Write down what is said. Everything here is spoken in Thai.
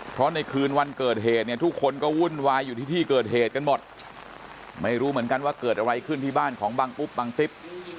เพราะในคืนวันเกิดเหตุเนี่ยทุกคนก็วุ่นวายอยู่ที่ที่เกิดเหตุกันหมดไม่รู้เหมือนกันว่าเกิดอะไรขึ้นที่บ้านของบังอุ๊บบังติ๊บ